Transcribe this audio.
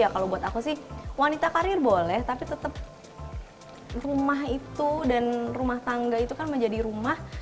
kalau buat aku sih wanita karir boleh tapi tetap rumah itu dan rumah tangga itu kan menjadi rumah